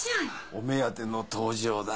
お目当ての登場だ。